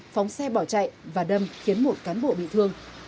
phóng xe bỏ chạy và đâm khiến một cán bộ bị thương